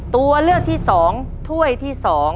ตัวเลือกที่๒ถ้วยที่๒